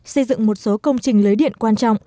xây dựng một số công trình lưới điện quan trọng